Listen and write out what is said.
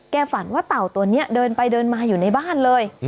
ฝันว่าเต่าตัวนี้เดินไปเดินมาอยู่ในบ้านเลย